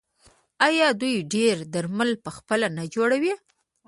آیا دوی ډیری درمل پخپله نه جوړوي؟